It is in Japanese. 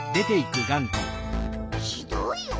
ひどいよ。